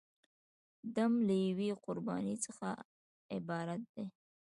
دم له یوې قربانۍ څخه عبارت دی.